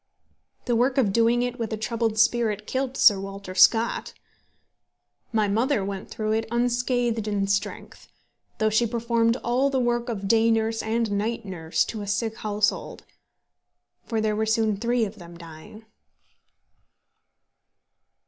The work of doing it with a troubled spirit killed Sir Walter Scott. My mother went through it unscathed in strength, though she performed all the work of day nurse and night nurse to a sick household; for there were soon three of them dying.